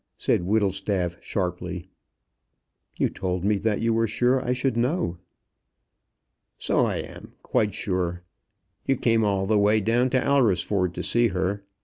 said Whittlestaff, sharply. "You told me that you were sure I should know." "So I am, quite sure. You came all the way down to Alresford to see her.